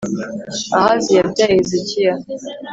Ahazi yabyaye Hezekiya,